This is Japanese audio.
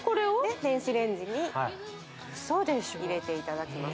電子レンジに入れていただきます